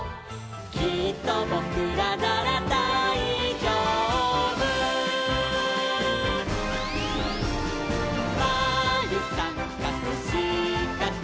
「きっとぼくらならだいじょうぶ」「まるさんかくしかく」